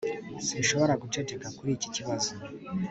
sinshobora guceceka kuri iki kibazo